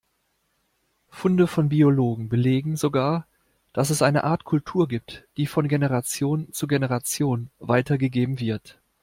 Funde von Biologen belegen sogar, dass es eine Art Kultur gibt, die von Generation zu Generation weitergegeben wird.